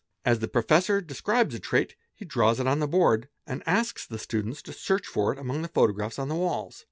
As the professor describes a trait he draws it on the board, and asks the students to search for it among the photographs on the walls.